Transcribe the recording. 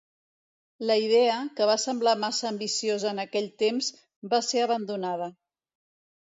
La idea, que va semblar massa ambiciosa en aquell temps, va ser abandonada.